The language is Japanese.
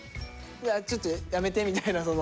ちょっとやめてみたいな。